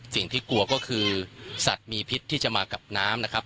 สิ่งที่กลัวก็คือสัตว์มีพิษที่จะมากับน้ำนะครับ